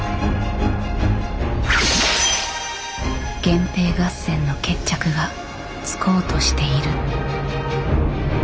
源平合戦の決着がつこうとしている。